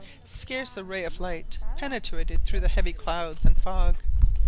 Scarce a ray of light penetrated through the heavy clouds and fog.